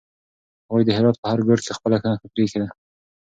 هغوی د هرات په هر ګوټ کې خپله نښه پرېښې ده.